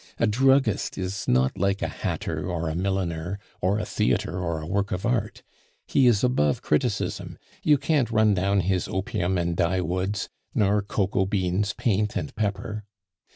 A druggist is not like a hatter or a milliner, or a theatre or a work of art; he is above criticism; you can't run down his opium and dyewoods, nor cocoa beans, paint, and pepper.